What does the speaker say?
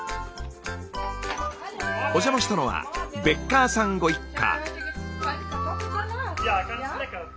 お邪魔したのはベッカーさんご一家。